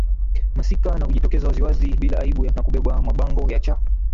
masika na kujitokeza wazi wazi bila aibu na kubeba mabango ya cha